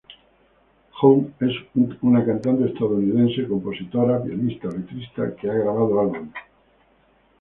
John es una cantante estadounidense, compositora, pianista, letrista, que ha grabado álbumes.